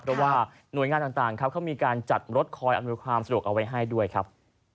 เพราะว่าหน่วยงานต่างครับเขามีการจัดรถคอยอำนวยความสะดวกเอาไว้ให้ด้วยครับ